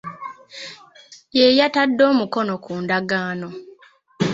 Ye yatade omukono ku ndagaano